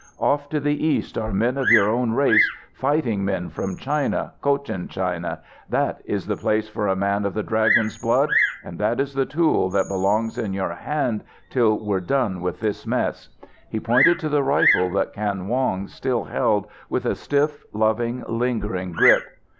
"Off to the east are men of your own race, fighting men from China, Cochin China. That is the place for a man of the Dragon's blood and that is the tool that belongs in your hand till we're done with this mess." He pointed to the rifle that Kan Wong still held with a stiff, loving, lingering grip.